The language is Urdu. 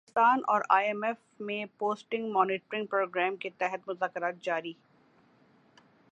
پاکستان اور ائی ایم ایف میں پوسٹ مانیٹرنگ پروگرام کے تحت مذاکرات جاری